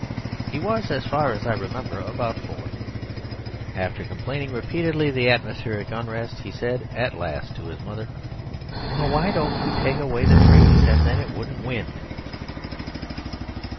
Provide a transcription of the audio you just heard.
He was, as far as I remember, about four. After complaining repeatedly of the atmospheric unrest, he said at last to his mother, "Well, why don't you take away the trees, and then it wouldn't wind."